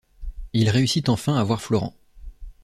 Il réussit enfin à voir Florent.